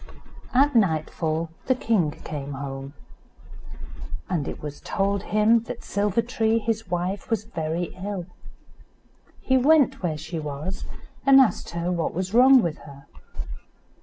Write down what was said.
At nightfall the king came home, and it was told him that Silver tree, his wife, was very ill. He went where she was, and asked her what was wrong with her.